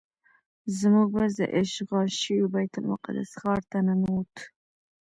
زموږ بس د اشغال شوي بیت المقدس ښار ته ننوت.